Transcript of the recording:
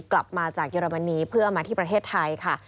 กลับมาจากเยอรมนีเพื่อมาที่ประเทศไทยค่ะ